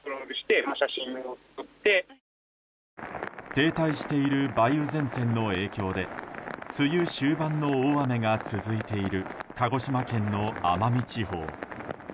停滞している梅雨前線の影響で梅雨終盤の大雨が続いている鹿児島県の奄美地方。